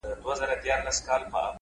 o صدقه دي تر تقوا او تر سخا سم ـ